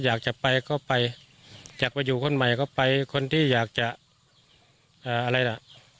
อยากจะไปก็ไปอยากไปอยู่คนใหม่ก็ไปคนที่อยากจะอะไรล่ะ